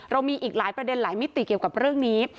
เรามีอีกหลายประเด็นหลายมิติเกี่ยวกับเรื่องนี้